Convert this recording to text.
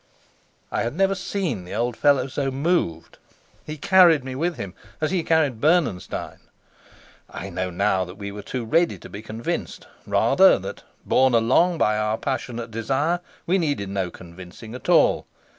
I had never seen the old fellow so moved; he carried me with him, as he carried Bernenstein. I know now that we were too ready to be convinced; rather that, borne along by our passionate desire, we needed no convincing at all.